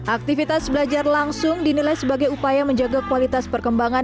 aktivitas belajar langsung dinilai sebagai upaya menjaga kualitas perkembangan